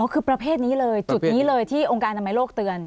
คือประเภทนี้เลยจุดนี้เลยที่องค์การอนามัยโลกเตือน